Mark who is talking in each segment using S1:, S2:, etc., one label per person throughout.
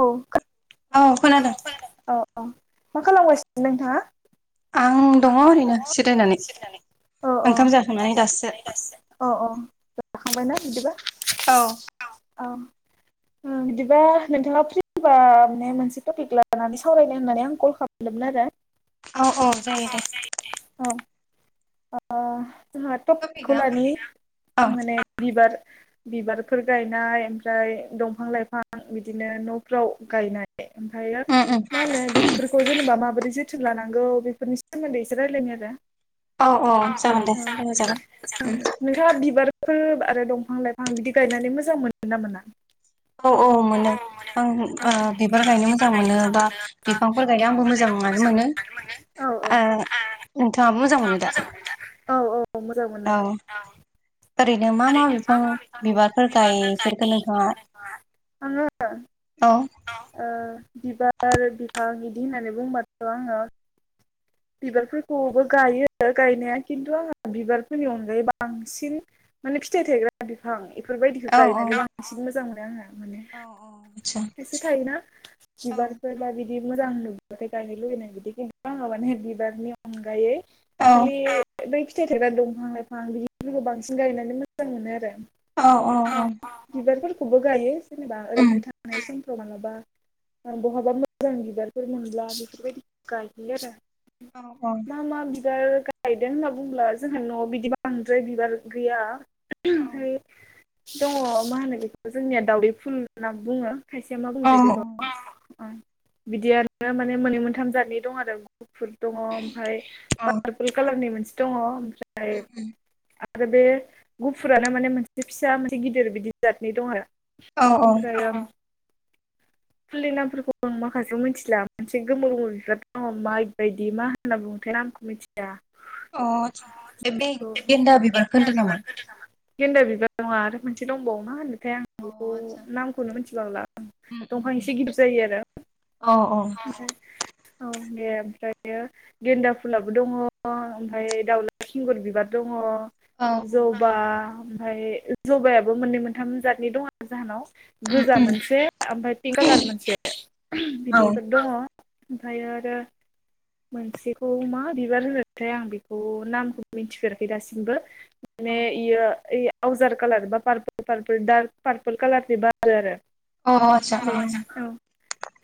S1: औ
S2: औ
S1: खोना
S2: खोनादों
S1: औ खोनादों अ अ मा खालामगासिनो नोंथाङा?
S2: आं दङ
S1: [unintelligible]
S2: ओरैनो जिरायनानै ओंखाम जाखांनानै दासो
S1: जाखांबायना बिदिबा औ ओ उम बिदिबा नोंथाङा फ्रिबा माने मोनसे टपिक लानानै सावरायनो होननानै आं कल खालामदोंमोन आरो।
S2: औ औ जायो दे।
S1: औ। अ जोंहा टपिकखौ
S2: टपिकआ
S1: लानि
S2: औ
S1: माने बिबार बिबारफोर गायनाय ओमफ्राय दंफां -लाइफां बिदिनो न'फ्राव गायनाय। ओमफायो
S2: उम उम
S1: माहोनो बि बेफोरखौ जेनेबा माबोरै जोथोन लानांगौ बेफोरनि सोमोन्दै एसे रायलायनि आरो।
S2: औ अ जागोन दे रायलाय
S1: औ
S2: जागोन। उ
S1: नोंथाङा बिबारफोर आरो दंफां लाइफां बिदि गायनानै मोजां मोनो ना मोना?
S2: औ औ मोनो। आं आ बिबार गायनो मोजां मोनो बा बिफांफोर गायनो आंबो मोजाङानो मोनो।
S1: औ
S2: आ नोंथाङाबो मोजां मोनो दा
S1: औ औ मोजां
S2: औ ओरैनो मा
S1: ओरैनो मा मा बिफां बिबारफोर गायो नोंथाङा आङो
S2: अ
S1: औ ओ बिबार बिफां बिदि होननानै बुंबाथ' आङो बिबारफोरखौबो गायो गायनाया खिन्थु आंहा बिबारफोरनि अनगायै बांसिन माने फिथाइ थायग्रा बिफां बेफोरबायदिखौ
S2: औ औ
S1: गायनो बांसिन मोजां मोनो आङो।
S2: औ आदसा
S1: एसे थायोना
S2: औ
S1: बिबार फोरब्ला बिदि बिदि मोजां नुबाथाय गायनो लुुबैनाय बिदि खिन्थु आङो माने बिबारनि अनगायै खालि औ बै फिथाइ थाइग्रा दंफां लाइफां बिदिफोरखौ बांसिन गायनानै मोजां मोनो आरो।
S2: औ औ।
S1: औ औ बिबारफोरखौबो गायो जेनेबा
S2: उम
S1: ओरैनो थांनाय समफ्राव मालाबा। बहाबा मोजां बिबारफोर मोनब्ला बेफोरबायदिखौ गायो आरो।
S2: औ औ
S1: मा मा बिबार गा गायदों होनना बुंब्ला जोंहा न'आव बिदि बांद्राय बिबार गैया।
S2: औ
S1: ओमफ्राय दङ मा होनो बेखौ जोंनिया दावदै फुल होनना बुङो। खायसेया मा
S2: औ
S1: बुङोथाय बेखौ अ बिदियानो माने मोननै मोनथाम जातनि दङ आरो। गुफुर दङ
S2: औ उम
S1: पारपोल कालारनि मोनसे दङ ओमफ्राय
S2: उम
S1: आरो बे गुफुरानो माने मोनसे फिसा मोनसे गिदिर बिदि जादननि दङ आरो।
S2: औ औ
S1: ओमफ्राय आं फुलिनि नामफोरखौ आं माखासेयाव मिथिला मोनसे गोमोमो बिबाद दङ माइबायदि मा होनना बुङोथाय नामखौ मिथि
S2: अ बे
S1: बेखौ
S2: गेन्दा बिबारखो होन्दो नामा?
S1: गेन्दा बिबारा नङा आरो मोनसे दंबावो मा होनोमोन्थाय
S2: अ
S1: आं बेखौ
S2: आदसा
S1: नामखौनो मिथिबावला
S2: उम उम
S1: दंफां
S2: उम
S1: एसे गिदिर जायो आरो
S2: अ
S1: औ औ बे ओमफ्रायो गेन्दा फुलाबो दङ ओमफाय दावला सिंगुर बिबार दङ
S2: औ
S1: जबा ओमफाय जबायाबो मोननै मोनथाम जातनि दङ आरो जाहानाव
S2: उम
S1: गोजा
S2: उम
S1: मोनसे ओमफाय पिं कालार मोनसे
S2: औ
S1: बिदिफोर दङ ओमफायो आरो मोनसेखौ मा बिबार होनोमोन्थाय आं बेखौ नामखौ मिथिफेराखै दासिमबो माने
S2: औ
S1: इयो ओयै आवजार कालार बा पारपोल पारपोल दार कालारनि बारो आरो
S2: आदसा
S1: अ
S2: औ
S1: अ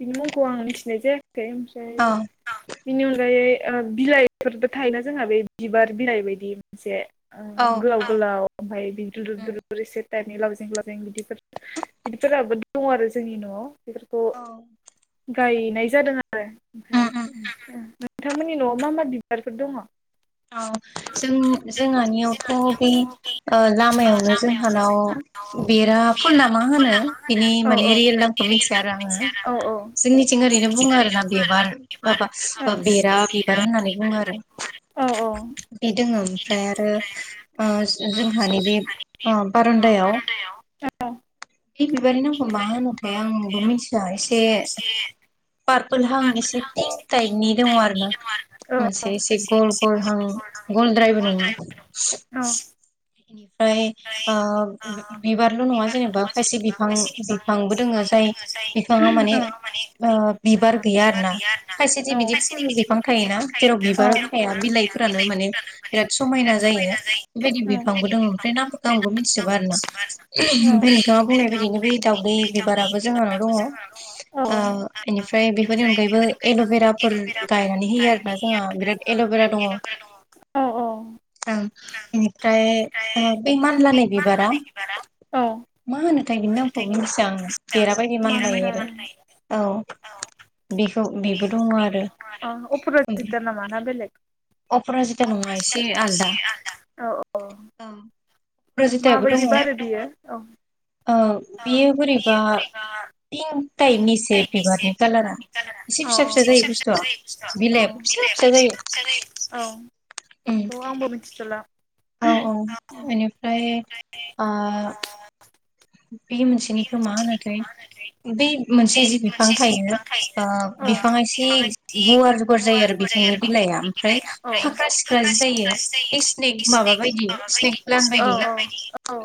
S1: बिनि मुंखौ आं मिथिनाय जायाखै ओमफ्राय औ बिनि अनगायै बिलाइफोरबो थायोना जोंहा बे बिबार बिलाइ बायदि मोनसे ओ
S2: औ
S1: गोलाव
S2: औ
S1: गोलाव ओमफाय बिदि दुलुर
S2: उम
S1: दुलुर एसे टाइपनि लावजें लावजें बिदिफोर बिदिफोराबो दङ आरो जोंनि न'आव बेफोरखौ
S2: औ
S1: गायनाय जादों आरो
S2: उम
S1: ओमफाय
S2: उम
S1: औ नोंथांमोननि न'आव मा मा बिबारफोर दङ
S2: औ जों जोंहानियावथ' बे ओ लामायावनो जोंहानाव बेरा फुल ना मा होनो बिनि
S1: औ
S2: माने रियेल नामखौ मिथिया आरो आङो
S1: औ औ
S2: जोंनिथिं ओरैनो बुङो आरोना बिबार माबा
S1: औ
S2: ओ बेरा बिबार होननानै बुङो आरो
S1: औ औ
S2: बे दोङो ओमफ्राय आरो आ जोंहानि बि ओ बारोन्दायाव
S1: औ
S2: बे बिबार नामखौ मा होनोथाय आंबो मिथिया एसे पारपोल हां एसे पिंक दङ आरो ना मोनसे एसे गल हाग गलद्रायबो नङा ओफ्राय ओ बि-बिबारल' नङा जेनेबा खायसे बिफां बिफांबो दोङो जाय बिफाङा माने ओ बिबार गैया आरो ना खायसे दि बिदि फुल बिफां थायोना जेराव बिबार थाया बिलाइ फोरानो माने बिराद समायना जायो बेबायदि बिफांबो दङ। ओमफ्राय नामफोरखौ आंबो मिथिजोबा आरो ना ओमफ्राय नोंथाङा बुंनाय बायदिनो बै दावदै बिबाराबो जोंहानाव दङ। ओ इनिफ्राय बेफोरनि अनगायैबो एल'भेराफोर गायनानै होयो आरोना जोंहा बिराद एल'भेरा दं।
S1: औ औ
S2: ओं बेनिफ्राय ओ बै मानलानाय बिबारा
S1: औ
S2: मा होनोथाय बिनि नामखौबो मिथिया आं देराबायदि मानलायो आरो
S1: मानलाय
S2: औ बेखौ बेबो दङ आरो ओफ्राय
S1: अपराजिता नामा ना बेलेग
S2: अपराजिताबो नङा एसे आलदा
S1: औ औ
S2: औ
S1: माबायदि बारो बियो औ
S2: औ बेयो बोरैबा पिंक टाइपनि एसे बिबारनि कालारा एसे
S1: औ
S2: फिसा
S1: औ
S2: फिसा जायो बुस्थुआ
S1: औ
S2: बिलाइआबो फिसा फिसा जायो।
S1: औ
S2: उम
S1: बेखौ आंबो मिथिथ'ला
S2: औ औ बेनिफ्राय आ बे मोनसेनिखौ मा होनोथाय बे मोनसे जि बिफां थायो ओ बिफाङा एसे गुवार गुवार जायो आरो बिफांनि बिलाइआ ओमफ्राय
S1: बिलाइआ ओमफ्राय
S2: फाख्रा सिख्रा जि जायो बे स्नेक माबा बायदि स्नेक प्लान्ट बायदि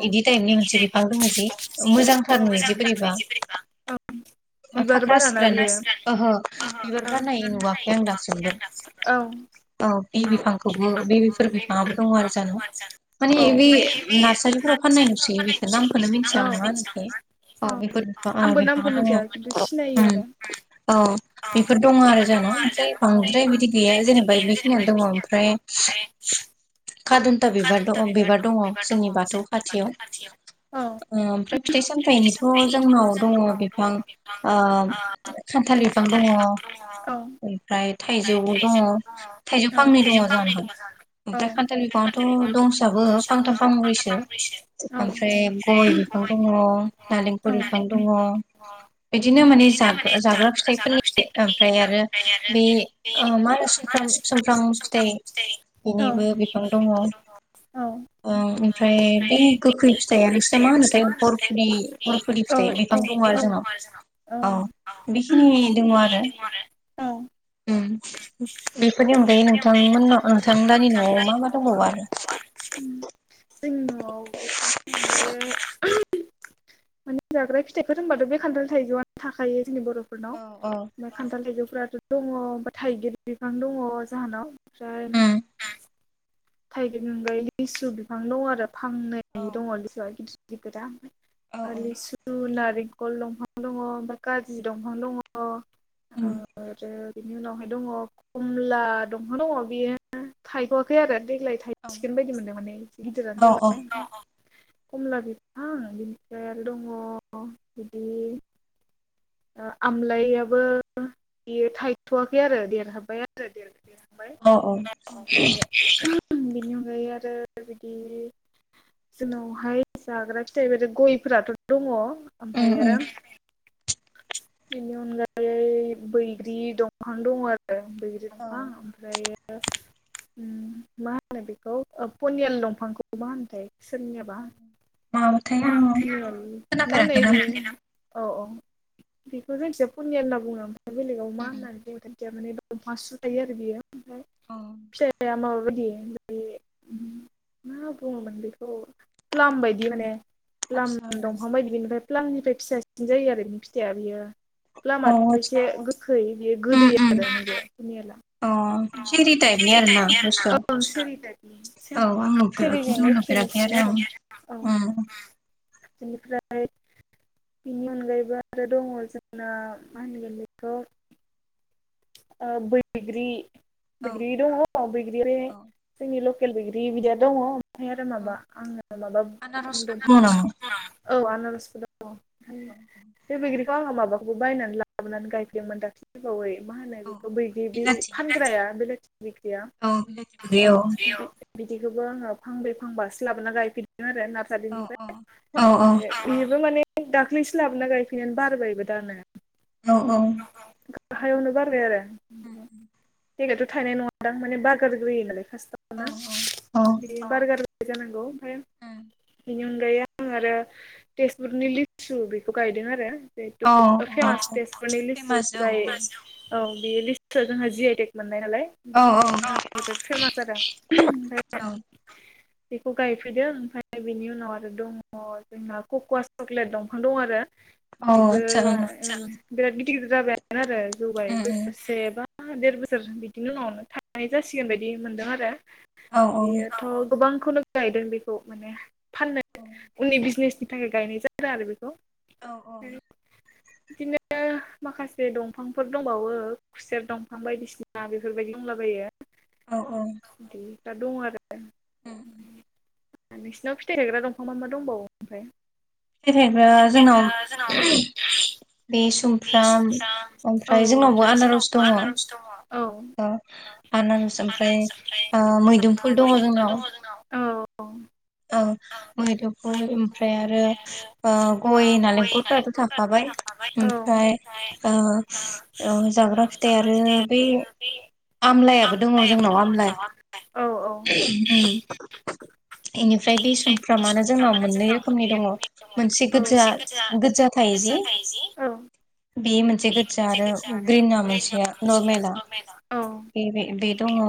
S2: बिदि टाइपनि मोनसे बिफां दङ जि।
S1: औ मोजां थार नुयो जि बोरैबा औ बिबार
S2: फाख्रा
S1: बाराना बियो
S2: सिख्रानो ओहो बिबार बारनाय नुवाखै आं दासिमबो
S1: औ
S2: औ बि बिफांखौबो बेफोर बिफाङाबो दङ जाहानाव। माने
S1: औ
S2: बे
S1: माने बे
S2: नार्सारिफोराव फाननाय नुसैयो बेखौ नामखौनो
S1: औ
S2: मिथिया आं मा
S1: औ
S2: होनोथाय? औ बेफोर बिफां ओ
S1: आंबो नामखौ
S2: बिफाङा दङ उम औ
S1: औ
S2: दङ आरो
S1: बेफोर दङ आरो
S2: ओमफ्राय
S1: जोंनाव ओमफ्राय
S2: बांद्राय बिदि गैया
S1: बांद्राय बिदि
S2: जेनेबा
S1: गैयानो
S2: बेखिनियानो
S1: जेनेबा बिखिनिया दङ ओमफ्राय [inaudible]
S2: खादन्था बिबार द बिबार दङ जोंनि बाथौ खाथियाव।
S1: औ
S2: ओ ओमफ्राय फिथाइ सामथाइनिथ' जोंनाव दङ बिफां ओ थालिर बिफां दङ।
S1: औ
S2: ओमफ्राय थाइजौबो दङ थाइजौ
S1: औ
S2: फांनै दङ जाहानाव।
S1: औ औ
S2: ओमफ्राय खान्थाल बिफाङथ' दंसाबो फांथाम फांब्रैसो
S1: औ
S2: ओमफ्राय गय बिफां दङ, नालेंखर बिफां दङ बिदिनो माने जा-जाग्रा फिथाइफोरनि ओमफ्राय आरो बे ओ मा होनो सुमफ्राम सुमफ्राम फिथाइ। बिनिबो बिफां दङ। ओं ओमफ्राय बे गोखै फिथाया नोंसोरना मा होनोथाय हरफुलि हर फुलि फिथाइ बिफां दङ आरो
S1: औ
S2: जोंनाव औ बेखिनि दङ आरो
S1: औ
S2: उम बेफोरनि अनगायै नोंथांमोनाव नोंथां लानि न'आव मा मा दंबावो आरो?
S1: जोंनि न'आव बेफोरनि अनगायै माने जाग्रा फिथाइफोर होनबाथ' बे खान्थाल थाइजौ आनो थाखायो जोंनि बर' फोरनाव
S2: औ औ
S1: ओमफ्राय खान्थाल थाइजौफोराथ' दङ थाइगिर बिफां दङ जाहोनाव ओमफ्राय
S2: उम
S1: थाइगिरनि अनगायै लिसु बिफां दङ आरो फांनै
S2: औ
S1: दङ लिसुआ गिदिर गिदिरा।
S2: औ औ
S1: लिसु, नारिखल दंफां दङ ओमफ्राय काजि दंफां दं।
S2: उम
S1: आरो बिनि उनावहाय दङ कमला दंफां' दङ बियो थायथ'वाखै आरो। देग्लाय
S2: औ
S1: थायसिगोन बायदि मोन्दों माने गिदिरानो
S2: औ
S1: जाबाय। ‌ कमला बिफां बिनिफ्राय आरो दङ बिदि नो आमलायाबो बेयो थायथ'वाखै आरो देरहाबाय आरो देर जोबबाय
S2: औ
S1: ओमफ्राय बेनि अनगायै आरो बिदि जोंनावहाय जाग्रा फिथाइ बे गयफोराथ' दङ
S2: उम
S1: ओमफ्राय
S2: उम
S1: आरो बेनि अनगायै बैग्रि दंफां दं आरो बैग्रि
S2: औ
S1: दंफां। ओमफ्रायो मा होनो बेखौ पनियाल दंफांखौ मा होनोथाय? सोरनियाबा
S2: माबाथाय आं
S1: मा नै
S2: खोनाफेराखै नामखौ
S1: औ औ बेखौ जोंथिंजाय पनियाल होनाना बुङो ओमफाय बेलेगाव मा
S2: उम उम
S1: होननानै बुङोथाय मिथिया माने दंफाङा सु थायो आरो बियो। ओमफ्राय
S2: अ
S1: फिसाया माबा बायदि बै मा बुङोमोन बेखौ फ्लाम बायदि माने। प्लम
S2: आदसा
S1: दंफां बायदि बिनिफ्राय प्लमनिफ्राय फिसासिन जायो आरो बिनि फिथाइआ बियो।
S2: अ
S1: प्लामाथ' एसे गोखै बेयो गोदै
S2: उम उम
S1: आरो बेयो नियाला।
S2: अ सिरि टाइपनि आरो ना
S1: [unintelligible]
S2: बुस्थुआ
S1: खनोसनो द
S2: औ आं नुफेर खिन्थु नुफेराखै आरो आं
S1: औ।
S2: उम
S1: [unintelligible] बेनिफ्राय बिनि अनगायैबो आरो दङ जोंना मा होनगोन बेखौ बैग्रि-
S2: औ
S1: बैग्रि दङ। औ
S2: औ
S1: जोंनि लकेल बैग्रि बिदिया दंङ। ओमफ्राय आरो
S2: औ
S1: माबा आङो माबा
S2: आनारसफोर दङ
S1: बुं
S2: नामा
S1: औ [unintelligible] आनारसफोर।
S2: औ
S1: बे बैग्रिखौ आंहा माबाखौबो बायनानै लाबोनानै गायफेरदोंमोन दाख्लिबावै। मा होनो
S2: औ
S1: बेखौ बैदि बे
S2: बिलाथि
S1: फानग्राया बेलाथि बिग्रिया
S2: औ बिलाथिबो
S1: औ।
S2: गैया
S1: बिदिखौबो आङो फांब्रै फांबासे लाबोना गायफिदों आरो ना
S2: औ औ औ औ।
S1: बेबो माने दाखालिसो लाबोना गायफैनायानो बारबाय बो दानो
S2: औ औ।
S1: गाहायावनो बारबाय आरो जायगायाथ' थायनाय नङ दां माने बारगारग्रोय नालाय।
S2: औ
S1: फास्थावनो
S2: औ
S1: बारगार जानांगौ ओमफ्राय
S2: उम
S1: बेनि अनगायै। आं आरो तेजपुरनि लिसु बेखौ गायदों आरो।
S2: [inaudible]
S1: नि लिसु
S2: औ
S1: जाय औ बे लिसुआ जोंहा जि आइटेक मोननाय नालाय
S2: औ
S1: ओ जोबोद फेमास जादों ओमफ्राय।
S2: औ
S1: बेखौ गायफैदो ओमफ्राय बिनि उनाव आरो दङ जोंना ककवास चक्लेट दंफां दं आरो।
S2: औ
S1: बेबो
S2: आदसा
S1: बिराद गिदिर- गिदिर जाबाय आरो
S2: ओं
S1: जौबाय
S2: उम
S1: बोसोरसेबा। देर बोसोर बिदिनि उनावनो थानाय जासिगोन बायदि मोनदों आरो
S2: उम औ
S1: बेयोथ' गोबांखौनो गायदों बेखौ माने फाननो उननि बिजनेसनि थाखाय गायनाय जादों आरो बेखौ।
S2: औ औ।
S1: बिदिनो माखासे दंफांफोर दंबावो। खुसेर दंफां बायदिसिना बेफोरबायदि बुंलाबायो।
S2: औ औ
S1: दा दंङ आरो। नोंसिनाव फिथाइ हायग्रा दंफां मा मा दंबावो ओमफ्राय।
S2: फिथाय थायाइग्रा जोंनाव बे सम फ्राम
S1: औ
S2: ओमफ्राय जोंनावबो आनारस दङ।
S1: औ
S2: आनारस ओमफ्राय मैदोमफुल दङ जोंनाव
S1: औ औ
S2: ओ मैदुफुल ओमफ्राय आरो ओ गय, नालेंखरफथ' थाफाबाय ओमफ्राय ओ- ओ जाग्रा फिथाइ आरो बेै आमलायाबो दङ जोंनाव आमलाइ
S1: औ औ
S2: ओम इनिफ्राय बे समफ्रा मानो जोंनाव मोननै रोखोमनि दङ मोनसे गोदजा- गोदजा
S1: गोदजा ‌थायो जि
S2: बि मोन गोदजा आरो ग्रिना मोनसेया नरमेला बे- बे दङ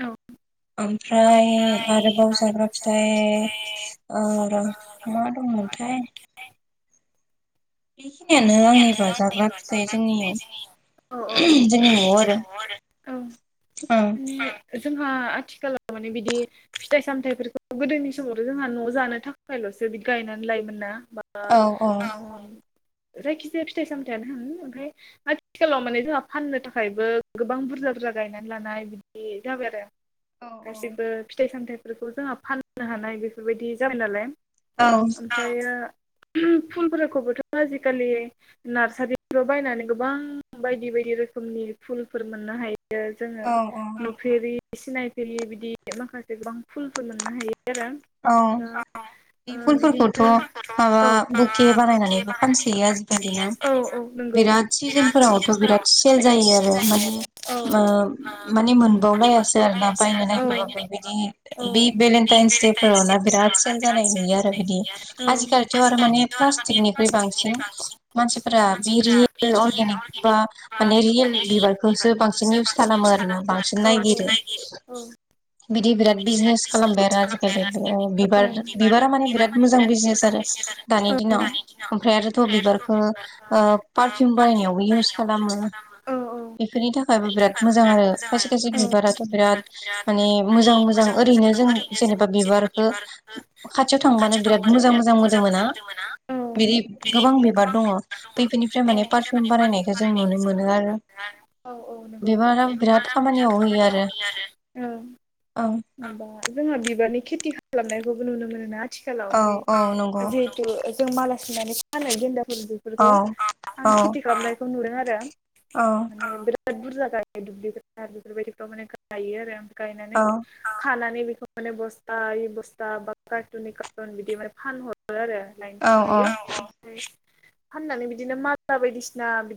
S1: औ
S2: ओमफ्राय आरोबाव जाग्रा फिथाय ओ मा दंमोनथाय बेखिनियानो आंनिबा जाग्रा फिथाइ
S1: औ औ
S2: जोंनियाव जोंनि न'आव आरो
S1: औ
S2: ओम
S1: जोंहा आथिखालाव माने बिदि फिथाइ सामथायफोरखौ गोदोनि समावथ' जोंहा न' जानो थाखायल'सो गायनानै लायोमोन ना ओ औ जायखिजाया फिथाइ सामथायाइानो थांङो ओमफ्राय आथिखालाव माने जोंहा फाननो थाखायबो गोबां बुरजा बुरजा गायनानै लानो हायो बिदि जाबाय आरो
S2: औ
S1: गासिबो फिथाइ सामथाइफोरखौ जोंहा फाननो हानाय बेफोरबायदि जाबाय नालाय
S2: औ
S1: औ ओमफ्रायो फलफोरखौबोथ' आजिखालि नारसारिफोराव बायनानै गोबां बायदि बायदि रोखोमनि फुलफोर मोननो हायो जोंङो
S2: औ औ
S1: नुफेरि सिनायफेरि बिदि माखासे गोबां फुलफोर मोननो हायो आरो
S2: औ
S1: दा
S2: बे
S1: ओ
S2: फुलफोरखौथ'
S1: बिदिनो
S2: माबा
S1: औ
S2: बुके बानायनानैबो फानसैयो आजिखालि ना
S1: औ औ नंगौ
S2: बिराद सिजोनफोरावथ' बिराद सेल जायो आरो माने
S1: औ
S2: मो माने मोनबावलायासो आरोना बायनो
S1: औ
S2: नागिरबाबो बिदि बे भेलेेनटाइन्स दे फोराव ना बिराद सेल नुयो आरो बिदि आजिखालिथ' माने प्लास्टिकनि ख्रुय बांसिन मानसिफोरा बेरे अरगेनिक बा माने रियेल बिबारखौ होसो बांसिन इउस खालामो बांसिन नायगिरो बिदि बिराद बिजनेस खालामबाय आरो आजि बिबार बिबारा माने बिराद मोजां बिजनेस आरो दानि दिनाव ओमफ्राय आरोथ' बिबारखौ ओ पारफिउम बाहायनायावबो इउस खालामो बेफोरनि थाखायबो बिराद मोजां आरो खायसे खायसे बिबाराथ' बिराद माने मोजां मोजां ओरैनो जों जेनेबा
S1: जेनेबा
S2: बिबारखौ
S1: बिबारखो खाथियाव थांबानो बिराद मोजां मोदोमोना
S2: बिदि गोबां बिबार दङ फैफोरनिफ्राय माने पारफिउम बारानायनायखौ जों नुनो मोनो आरो
S1: औ औ नंगौ बिबारा बिराद खामानियाव होयो आरो
S2: औ
S1: जोंहा बिबारनि खेथि खालामनायखौबो नुनो मोनोना आथिखालाव
S2: औ औ नंगौ
S1: जेहुथू जों मालासुनानै फानो गेन्दाफोर बेफोरखौ
S2: औ
S1: आं
S2: औ
S1: खेथि खालामनायखौ नुदों आरो
S2: औ
S1: माने बिराद बिराद बुरजा गायो दुब्लिफोर बेफोरबायदिफ्राव माने गायो आरो ओमफ्राय गायनानै
S2: औ
S1: औ खानानै बेखौ माने बस्थायै बस्ता बा कार्टुननै कार्टुन बिदि माने फानहरो आरो औ औ फान नानै बिदिनो मालटा बायदिसि बि